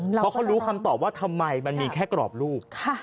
เพราะเขารู้คำตอบว่าทำไมมันมีแค่กรอบลูก